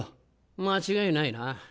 間違いないな。